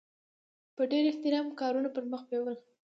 په ډېر احترام یې کارونه پرمخ بیول.